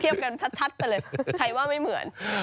ทียยยยเที่ยบกันชัดกันเลยใครว่าไม่เหมือน